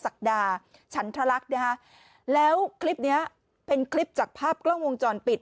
ศักดาฉันทะลักษณ์นะฮะแล้วคลิปเนี้ยเป็นคลิปจากภาพกล้องวงจรปิด